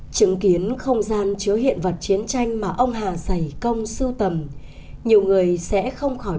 chứng kiến không gian chứa hiện vật chiến tranh mà ông hà giày công sưu tầm nhiều người sẽ không khỏi